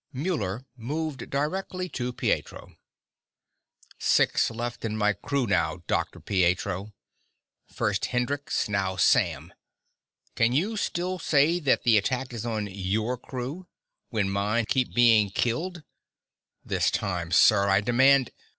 Muller moved directly to Pietro. "Six left in my crew now, Dr. Pietro. First Hendrix, now Sam. Can you still say that the attack is on your crew when mine keep being killed? This time, sir, I demand